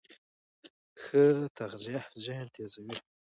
ښه تغذیه ذهن تېزوي.